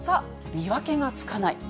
見分けがつかない。